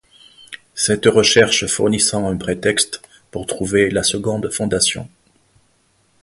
Cette recherche fournissant un prétexte pour trouver la Seconde Fondation.